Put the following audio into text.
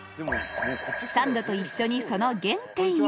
サンドと一緒にその原点へ。